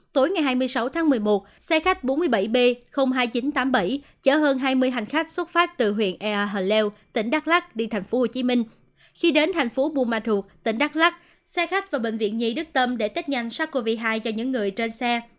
tỉnh đắk lắc xe khách và bệnh viện nhị đức tâm để tết nhanh sars cov hai cho những người trên xe